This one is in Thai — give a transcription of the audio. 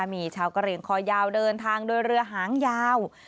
มีชาวกระเหลี่ยงคอยาวเดินทางโดยเรือหางยาว